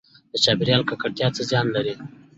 د چاپیریال ککړتیا څه زیان لري؟